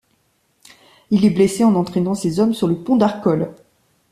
Il est blessé en entraînant ses hommes sur le pont d'Arcole.